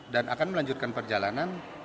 dan akan melanjutkan perjalanan